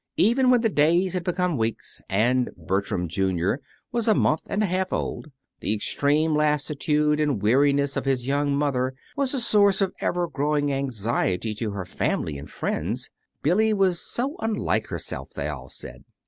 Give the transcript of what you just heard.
Even when the days had become weeks, and Bertram, Jr., was a month and a half old, the extreme lassitude and weariness of his young mother was a source of ever growing anxiety to her family and friends. Billy was so unlike herself, they all said.